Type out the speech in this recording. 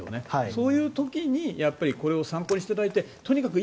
そういう時にこれを参考にしていただいてとにかく